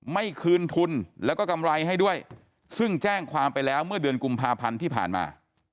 ไม่คืนทุนแล้วก็กำไรให้ด้วยซึ่งแจ้งความไปแล้วเมื่อเดือนกุมภาพันธ์ที่ผ่านมา